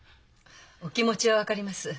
お気持ちは分かります。